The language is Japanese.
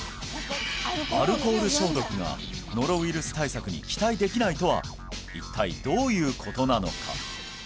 アルコール消毒がノロウイルス対策に期待できないとは一体どういうことなのか？